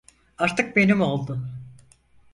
Artık benim oldu.